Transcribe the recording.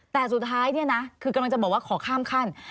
แต่สุดท้ายเนี่ยนะคือกำลังจะบอกว่าขอข้ามขั้น